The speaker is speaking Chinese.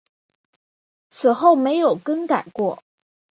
此后没有更改过。